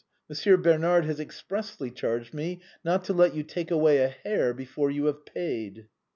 Monsieur Bernard has expressly charged me not to let you take away a hair before you have paid."